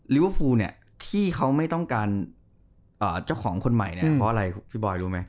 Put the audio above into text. ลิเวอร์ฟูที่เขาไม่ต้องการเจ้าของคนใหม่เพราะอะไรพี่บอยรู้ไหม